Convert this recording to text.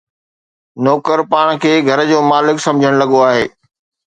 نوڪر پاڻ کي گهر جو مالڪ سمجهڻ لڳو آهي